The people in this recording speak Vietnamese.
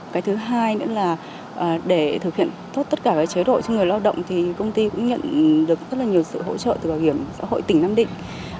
cái thứ hai nữa là để thực hiện tốt tất cả các chế độ cho người lao động thì công ty cũng nhận được rất là nhiều sự hỗ trợ từ bảo hiểm xã hội tỉnh nam định